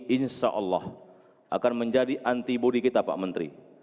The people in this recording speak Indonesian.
insyaallah akan menjadi antibody kita pak menteri